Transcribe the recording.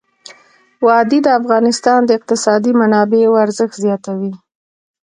وادي د افغانستان د اقتصادي منابعو ارزښت زیاتوي.